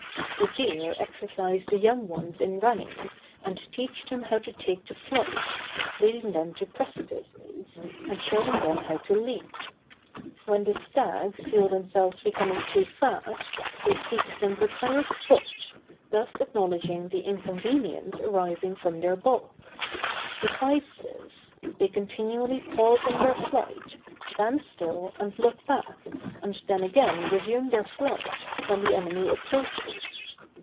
The deer exercise the young ones in running, and teach them how to take to flight, leading them to precipices, and showing them how to leap. When the stags feel themselves becoming too fat, they seek some retired spot, thus acknowledging the inconvenience arising from their bulk. Besides this, they continually pause in their flight, stand still and look back, and then again resume their flight, when the enemy approaches.